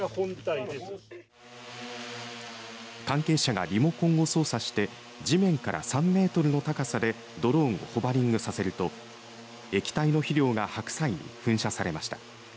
関係者がリモコンを操作して地面から３メートルの高さでドローンをホバリングさせると液体の肥料が白菜に噴射されました。